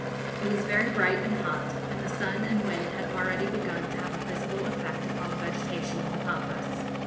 It was very bright and hot, and the sun and wind had already begun to have a visible effect upon the vegetation of the Pampas.